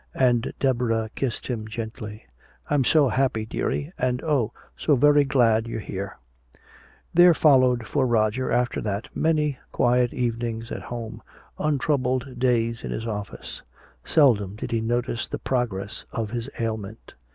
And Deborah kissed him gently. "I'm so happy, dearie and oh, so very glad you're here!" There followed for Roger, after that, many quiet evenings at home, untroubled days in his office. Seldom did he notice the progress of his ailment.